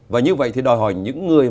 và như vậy thì đòi hỏi những người